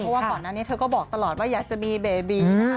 เพราะว่าก่อนหน้านี้เธอก็บอกตลอดว่าอยากจะมีเบบี